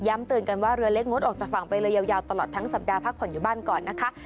เตือนกันว่าเรือเล็กงดออกจากฝั่งไปเลยยาวตลอดทั้งสัปดาห์พักผ่อนอยู่บ้านก่อนนะคะ